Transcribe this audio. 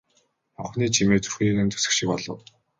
Хонхны чимээ зүрхийг нь зүсэх шиг болов.